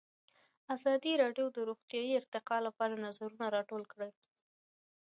ازادي راډیو د روغتیا د ارتقا لپاره نظرونه راټول کړي.